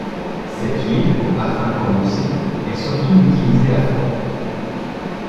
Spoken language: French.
Cette huile au parfum prononcé est surtout utilisée à froid.